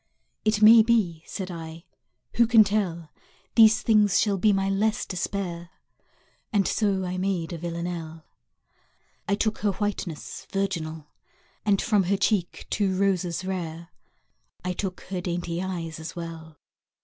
It may be, said I, who can tell, These things shall be my less despair? And so I made a Villanelle! I took her whiteness virginal And from her cheek two roses rare: I took her dainty eyes as well.